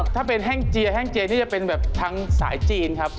ถ้าเป็นแห้งเจียแห้งเจนี่จะเป็นแบบทางสายจีนครับ